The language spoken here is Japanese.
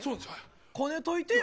こねといてよ。